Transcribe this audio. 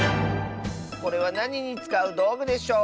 これはなににつかうどうぐでしょう？